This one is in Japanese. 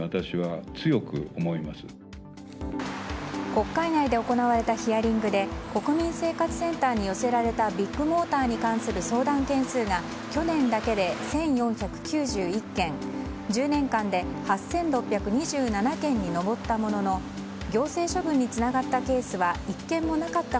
国会内で行われたヒアリングで国民生活センターに寄せられたビッグモーターに関する相談件数が去年だけで１４９１件１０年間で８６２７件に上ったもののこんにちは。